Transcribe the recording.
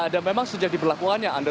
dan memang sejak diberlakukannya